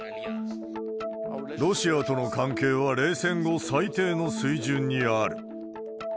ロシアとの関係は、冷戦後、最低の水準にある。